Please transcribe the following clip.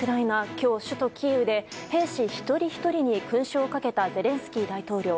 今日、首都キーウで兵士一人ひとりに勲章をかけたゼレンスキー大統領。